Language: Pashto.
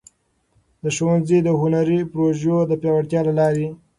د ښونځي د هنري پروژو د پیاوړتیا له لارې.